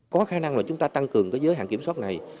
có khả năng là chúng ta tăng cường cái giới hạn kiểm soát này